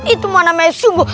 itu mana mesumbo